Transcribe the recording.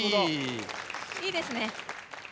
いいですね。